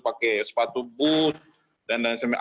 pakai sepatu bus dan lain sebagainya